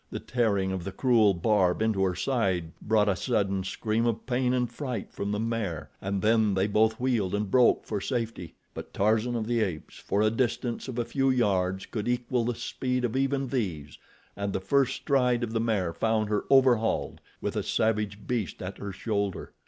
The tearing of the cruel barb into her side brought a sudden scream of pain and fright from the mare, and then they both wheeled and broke for safety; but Tarzan of the Apes, for a distance of a few yards, could equal the speed of even these, and the first stride of the mare found her overhauled, with a savage beast at her shoulder.